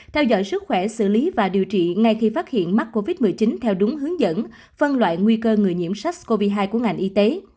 theo dõi sức khỏe xử lý và điều trị ngay khi phát hiện mắc covid một mươi chín theo đúng hướng dẫn phân loại nguy cơ người nhiễm sars cov hai của ngành y tế